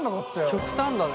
極端だね。